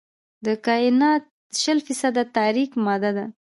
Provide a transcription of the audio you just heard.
د کائنات شل فیصده تاریک ماده ده.